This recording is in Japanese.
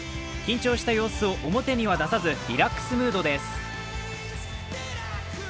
緊張した様子を表には出さずリラックスムードです。